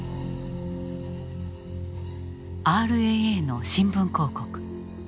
ＲＡＡの新聞広告。